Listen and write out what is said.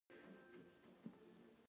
په ژمي کې واوره اوري او هوا ډیره سړیږي